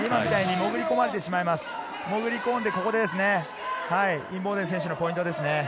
潜り込んで、ここでインボーデン選手のポイントです。